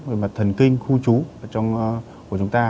về mặt thần kinh khu trú của chúng ta